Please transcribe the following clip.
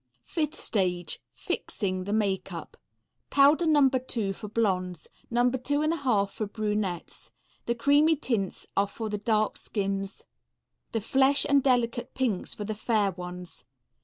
Fifth stage. "Fixing" the makeup. Powder No. 2 for blondes; No. 2 1/2 for brunettes. The creamy tints are for the dark skins, the flesh and delicate pinks for the fair ones.